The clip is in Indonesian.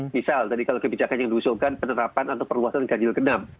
misal tadi kalau kebijakan yang diusulkan penerapan atau perluasan ganjil genap